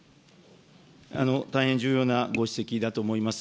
大変重要なご指摘だと思います。